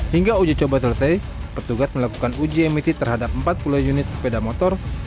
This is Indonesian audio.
hingga uji coba selesai petugas melakukan uji emisi terhadap empat puluh unit sepeda motor